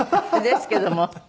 ですけども。